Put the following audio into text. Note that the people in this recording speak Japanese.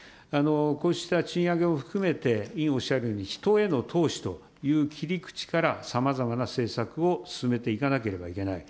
こうした賃上げを含めて、委員おっしゃるように人への投資という切り口からさまざまな政策を進めていかなければいけない。